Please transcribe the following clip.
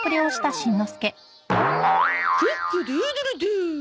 クックドゥードゥルドゥ！